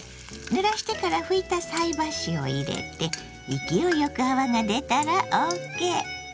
ぬらしてから拭いた菜箸を入れて勢いよく泡が出たらＯＫ。